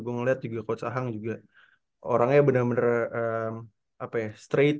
gue ngeliat coach ahang juga orangnya bener bener straight